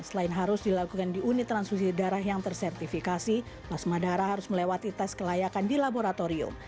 selain harus dilakukan di unit transfusi darah yang tersertifikasi plasma darah harus melewati tes kelayakan di laboratorium